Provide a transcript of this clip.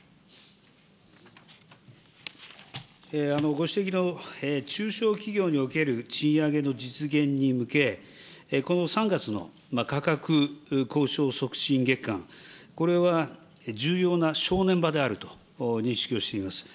ご指摘の中小企業における賃上げの実現に向け、この３月の価格交渉促進月間、これは重要な正念場であると認識をしています。